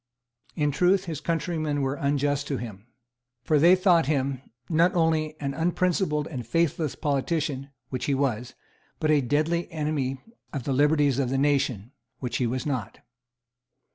In truth, his countrymen were unjust to him. For they thought him, not only an unprincipled and faithless politician, which he was, but a deadly enemy of the liberties of the nation, which he was not.